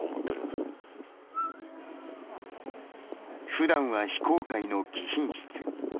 ふだんは非公開の貴賓室